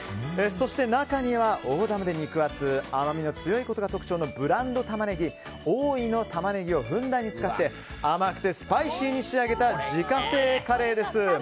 そして、中には大玉で肉厚甘みの強いことが特徴のブランドタマネギ大井の玉葱をふんだんに使って甘くてスパイシーに仕上げた自家製カレーです。